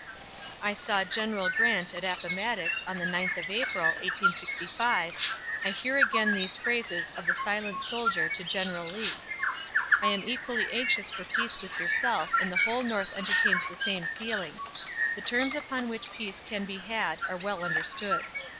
I saw GENERAL GRANT at Appomattox on the 9th of April, 1865, I hear again these phrases of the silent soldier to General Lee: "I am equally anxious for peace with yourself and the whole North entertains the same feeling. The terms upon which peace can be had are well understood.